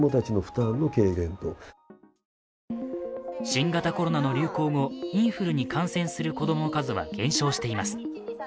新型コロナの流行語、インフルに感染する子供の数は減少しています。